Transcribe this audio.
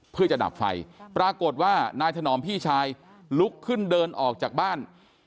เพื่อจะดับไฟปรากฏว่านายถนอมพี่ชายลุกขึ้นเดินออกจากบ้าน